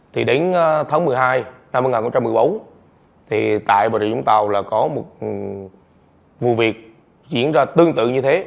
thì đến tháng một mươi hai năm hai nghìn một mươi bốn thì tại bà rịa vũng tàu là có một vụ việc diễn ra tương tự như thế